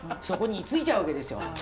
そこに居ついちゃうわけですよ。